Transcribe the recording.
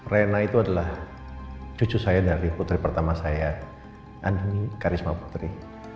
rena itu adalah cucu saya dari putri pertama saya ani karisma putri